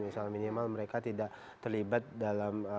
misalnya minimal mereka tidak terlibat dalam